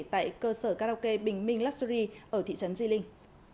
tại cơ sở karaoke bình minh luxury ở thị trấn di linh